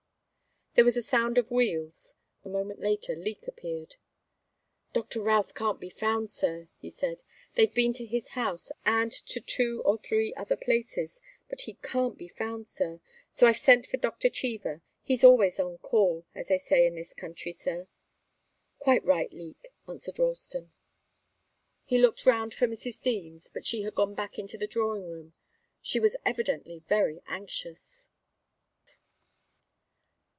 There was a sound of wheels. A moment later Leek appeared. "Doctor Routh can't be found, sir," he said. "They've been to his house and to two or three other places, but he can't be found, sir. So I've sent for Doctor Cheever. He's always on call, as they say in this country, sir." "Quite right, Leek," answered Ralston. He looked round for Mrs. Deems, but she had gone back into the drawing room. She was evidently very anxious.